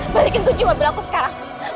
balikin ke jiwa belaku sekarang